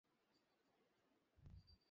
আমি সঁই করছি।